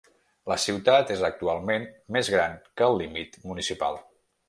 La ciutat és actualment més gran que el límit municipal.